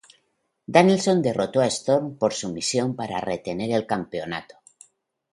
Danielson derrotó a Storm por sumisión para retener el campeonato.